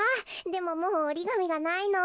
でももうおりがみがないの。